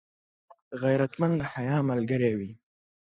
غیرتمند د حیا ملګری وي